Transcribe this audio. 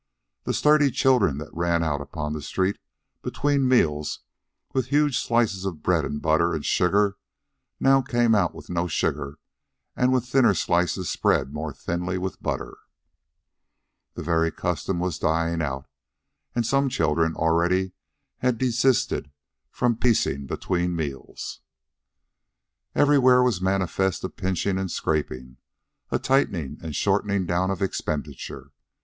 The sturdy children that ran out upon the street between meals with huge slices of bread and butter and sugar now came out with no sugar and with thinner slices spread more thinly with butter. The very custom was dying out, and some children already had desisted from piecing between meals. Everywhere was manifest a pinching and scraping, a tightning and shortening down of expenditure.